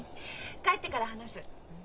帰ってから話す。